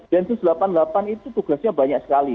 densus delapan puluh delapan itu tugasnya banyak sekali